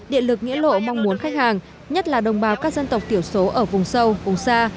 điện lực nghĩa lộ mong muốn khách hàng nhất là đồng bào các dân tộc thiểu số ở vùng sâu vùng xa